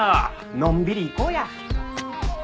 のんびり行こうや。